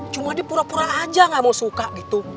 cuma dia pura pura aja gak mau suka gitu